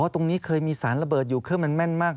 ตรงนี้เคยมีสารระเบิดอยู่เครื่องมันแม่นมาก